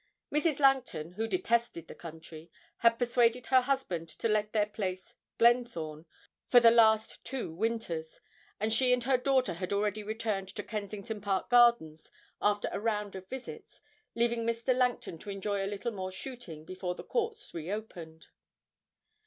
Mrs. Langton, who detested the country, had persuaded her husband to let their place 'Glenthorne' for the last two winters, and she and her daughter had already returned to Kensington Park Gardens after a round of visits, leaving Mr. Langton to enjoy a little more shooting before the Courts reopened.